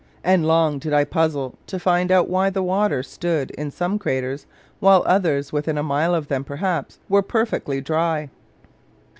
And long did I puzzle to find out why the water stood in some craters, while others, within a mile of them perhaps, were perfectly dry.